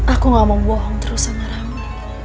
aku gak mau bohong terus sama rama